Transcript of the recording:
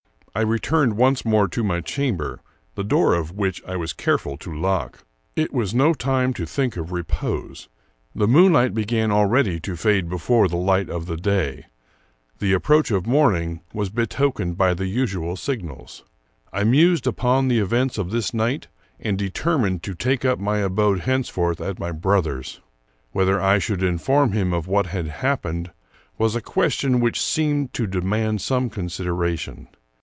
I returned once more to my chamber, the door of which I was careful to lock. It was no time to think of repose. The moonlight began already to fade before the light of the day. The approach of morning was 269 American Mystery Stories betokened by the usual signals. I mused upon the events of this night, and determined to take up my abode hence forth at my brother's. Whether I should inform him of what had happened was a question which seemed to de mand some consideration.